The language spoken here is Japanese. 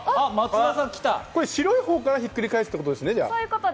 白いほうから、ひっくり返すということですね。